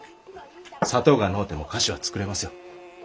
砂糖がのうても菓子は作れますよ。